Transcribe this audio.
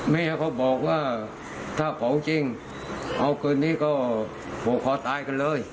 แม่เขาบอกว่าถ้าของจริงเอาคืนนี้ก็ผูกคอตายกันเลย